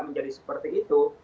menjadi seperti itu